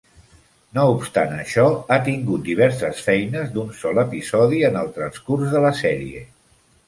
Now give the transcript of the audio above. No obstant això, ha tingut diverses feines d'un sol episodi en el transcurs de la sèrie.